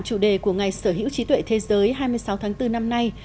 chủ đề của ngày sở hữu trí tuệ thế giới hai mươi sáu tháng bốn năm nay